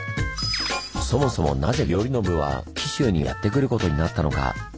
そもそもなぜ頼宣は紀州にやって来ることになったのか？